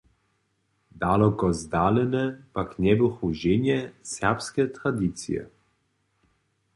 Daloko zdalene pak njeběchu ženje serbske tradicije.